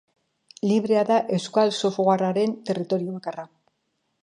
Librea da euskal softwarearen territorio bakarra.